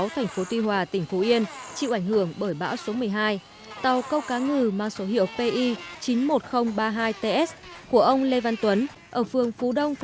thành phố tuy hòa tỉnh phú yên chịu ảnh hưởng bởi bão số một mươi hai